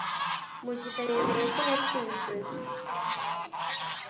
mugisha yemeye ko yatsinzwe